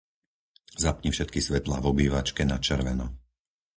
Zapni všetky svetlá v obývačke na červeno.